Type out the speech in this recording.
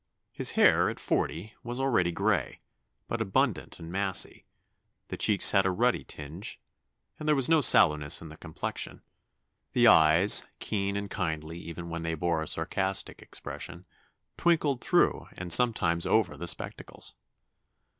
His hair, at forty, was already gray, but abundant and massy; the cheeks had a ruddy tinge, and there was no sallowness in the complexion; the eyes, keen and kindly even when they bore a sarcastic expression, twinkled through and sometimes over the spectacles.